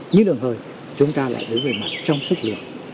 nhưng đồng hời chúng ta lại đứng về mặt trong sức lượng